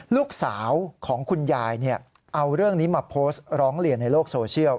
ลูกสาวของคุณยายเอาเรื่องนี้มาโพสต์ร้องเรียนในโลกโซเชียล